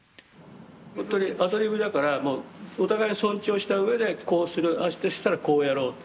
ほんとにアドリブだからお互い尊重した上でこうするああしたらこうやろうと。